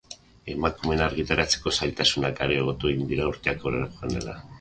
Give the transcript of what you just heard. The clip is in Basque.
Emakumeen argitaratzeko zailtasunak areagotu egin dira urteak aurrera joan ahala.